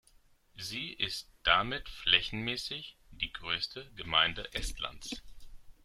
Sie ist damit flächenmäßig die größte Gemeinde Estlands.